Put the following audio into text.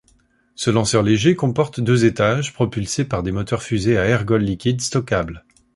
Ce lanceur léger comporte deux étages propulsés par des moteurs-fusées à ergols liquides stockables.